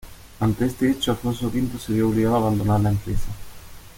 Ante este hecho, Alfonso V se vio obligado a abandonar la empresa.